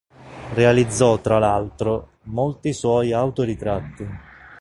Realizzò tra l'altro, molti suoi autoritratti.